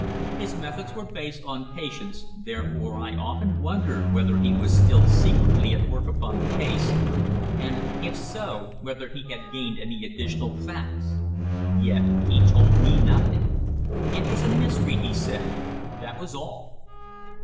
His methods were based on patience, therefore I often wondered whether he was still secretly at work upon the case, and if so, whether he had gained any additional facts. Yet he told me nothing. It was a mystery, he said that was all.